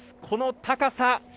この高さ。